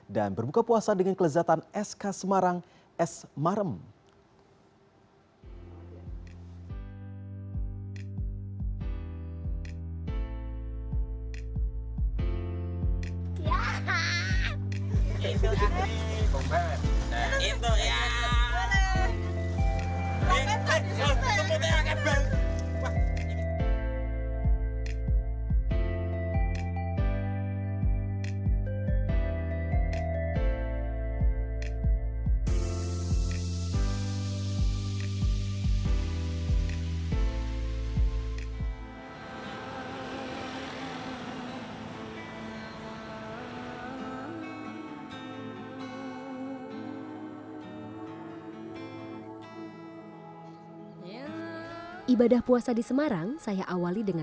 dan berbuka puasa dengan kelezatan sk semarang s marem